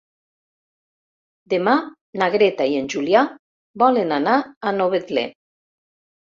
Demà na Greta i en Julià volen anar a Novetlè.